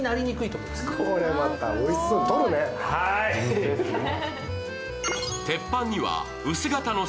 これまたおいしそうに撮るね。